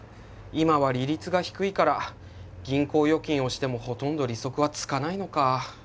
今は利率が低いから銀行預金をしてもほとんど利息は付かないのか。